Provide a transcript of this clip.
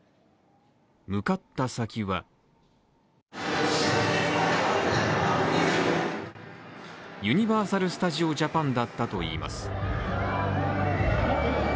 向かった先は、ユニバーサル・スタジオ・ジャパンだったといいます。